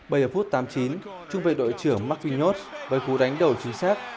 bây giờ phút tám chín chung với đội trưởng marc quy nhốt với cú đánh đầu chính xác